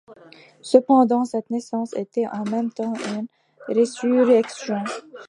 Cependant cette naissance était en même temps une résurrection!